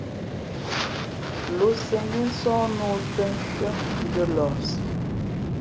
Lǒsīē ngén nsóh nā o tᾱ shʉ́ά ndʉ̄ᾱ lααsi.